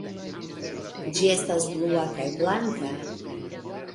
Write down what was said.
Ĝi estas blua kaj blanka.